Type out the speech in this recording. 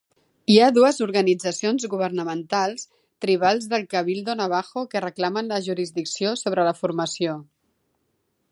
Hi ha dues organitzacions governamentals tribals del cabildo navajo que reclamen la jurisdicció sobre la formació.